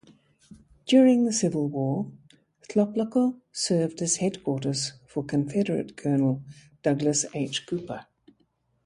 During the Civil War, Thlopthlocco served as headquarters for Confederate Colonel Douglas H. Cooper.